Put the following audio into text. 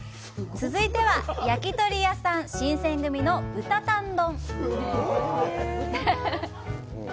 続いては、焼鳥屋さん、新撰組の豚たん丼。